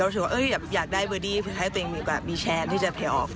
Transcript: ก็รู้สึกว่าอยากได้เบอร์ดี้ให้ตัวเองมีแชมป์ที่จะเปลี่ยนออก